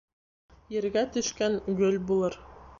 Ергә төшкән гөл булыр